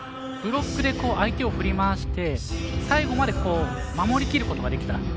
ブロックで相手を振り回して最後まで守りきることができた。